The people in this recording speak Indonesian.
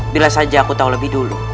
bila saja aku tahu lebih dulu